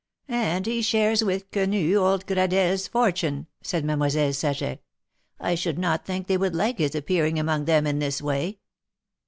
"And he shares with Quenu old Gradelle's fortune," said Mademoiselle Saget. "I should not think they would like his appearing among them in this way."